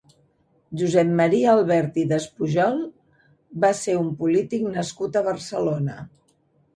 Josep Maria Albert i Despujol va ser un polític nascut a Barcelona.